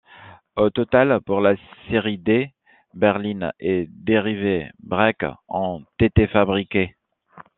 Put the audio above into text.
Au total, pour la série D, berlines et dérivés break ont été fabriqués.